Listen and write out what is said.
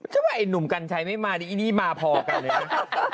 ว่าไอ้หนุ่มกัญชัยไม่มาดิอีนี่มาพอกันเลยนะ